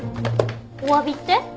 おわびって？